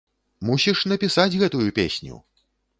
Мусіш напісаць гэтую песню!